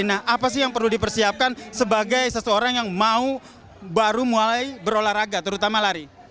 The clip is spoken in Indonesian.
nah apa sih yang perlu dipersiapkan sebagai seseorang yang mau baru mulai berolahraga terutama lari